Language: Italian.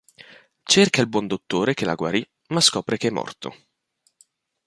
Cerca il buon dottore che la guarì ma scopre che è morto.